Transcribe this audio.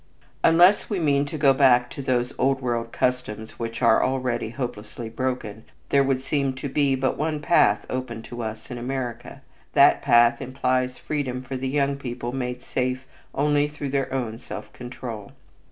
Unless we mean to go back to these Old World customs which are already hopelessly broken, there would seem to be but one path open to us in America. That path implies freedom for the young people made safe only through their own self control.